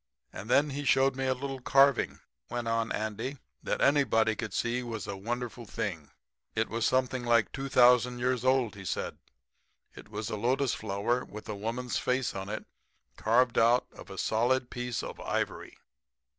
"'And then he showed me a little carving,' went on Andy, 'that anybody could see was a wonderful thing. It was something like 2,000 years old, he said. It was a lotus flower with a woman's face in it carved out of a solid piece of ivory.